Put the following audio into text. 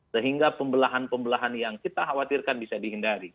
sehingga pembelahan pembelahan yang kita khawatirkan bisa dihindari